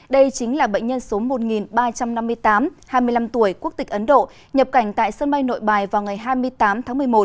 đây chính là bệnh nhân số một ba trăm năm mươi tám hai mươi năm tuổi quốc tịch ấn độ nhập cảnh tại sân bay nội bài vào ngày hai mươi tám tháng một mươi một